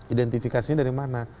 identifikasinya dari mana